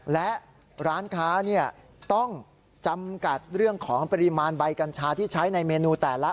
และร้านค้าต้องจำกัดเรื่องของปริมาณใบกัญชาที่ใช้ในเมนูแต่ละ